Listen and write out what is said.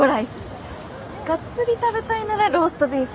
がっつり食べたいならローストビーフ。